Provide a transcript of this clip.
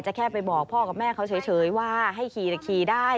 แค่ไปบอกพ่อกับแม่เขาเฉยว่าให้ขี่แต่ขี่ได้